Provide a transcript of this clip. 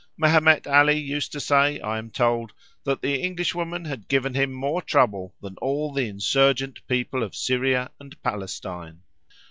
Mehemet Ali used to say, I am told, that the Englishwoman had given him more trouble than all the insurgent people of Syria and Palestine.